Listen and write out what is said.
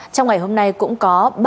trong ngày hôm nay cũng có